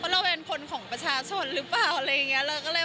เราเป็นคนของประชาชนหรือเปล่าอะไรอย่างนี้